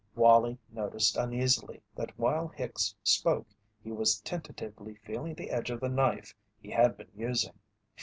Wallie noticed uneasily that while Hicks spoke he was tentatively feeling the edge of the knife he had been using.